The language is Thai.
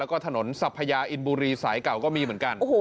แล้วก็ถนนสัพยาอินบุรีสายเก่าก็มีเหมือนกัน